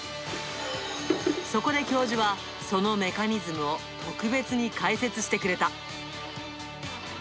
そこで教授は、そのメカニズムを特別に解説してくれた。